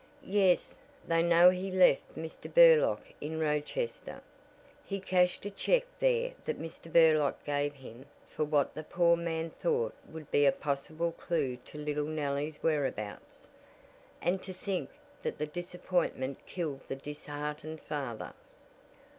"Yes, they know he left Mr. Burlock in Rochester. He cashed a check there that Mr. Burlock gave him for what the poor man thought would be a possible clew to little Nellie's whereabouts, and to think that the disappointment killed the disheartened father!"